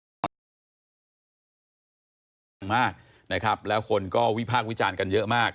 ตอนนี้เสียงดังมากนะครับแล้วคนก็วิพากษ์วิจารณ์กันเยอะมาก